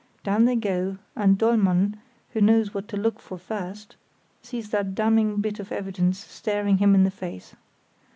Down they go, and Dollmann, who knows what to look for first, sees that damning bit of evidence staring him in the face.